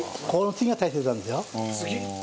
次？